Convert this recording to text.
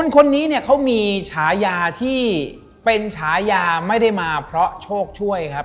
คนนี้เนี่ยเขามีฉายาที่เป็นฉายาไม่ได้มาเพราะโชคช่วยครับ